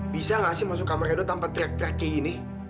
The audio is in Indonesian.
bisa gak sih masuk kamar edo tanpa teriak teriak kayak gini